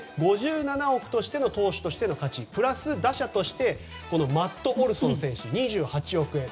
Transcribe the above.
５７億としての投手の価値プラス打者としてマット・オルソン選手２８億円。